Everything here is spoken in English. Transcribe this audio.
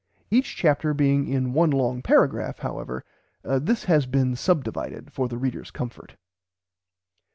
Each chapter being in one long paragraph, however, this has been subdivided for the reader's comfort.